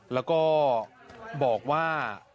แล้วก็บอกว่า